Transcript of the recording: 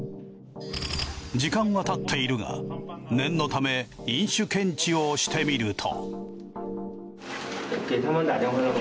時間は経っているが念のため飲酒検知をしてみると。